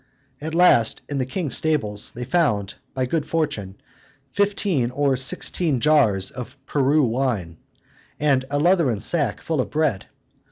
At last, in the king's stables, they found, by good fortune, fifteen or sixteen jars of Peru wine, and a leathern sack full of bread.